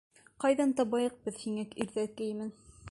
Ҡайҙан табайыҡ беҙ һиңә ирҙәр кейемен?